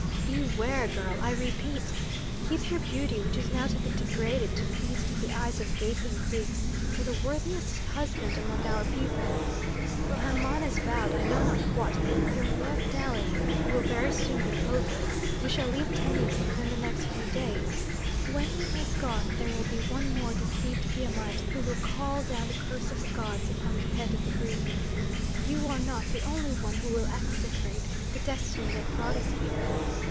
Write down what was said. Beware, girl, I repeat! Keep your beauty, which is now to be degraded to feast the eyes of gaping Greeks, for the worthiest husband among our people. Though Hermon has vowed, I know not what, your love dallying will very soon be over; we shall leave Tennis within the next few days. When he has gone there will be one more deceived Biamite who will call down the curse of the gods upon the head of a Greek. You are not the only one who will execrate the destiny that brought us here.